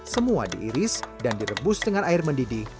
semua diiris dan direbus dengan air mendidih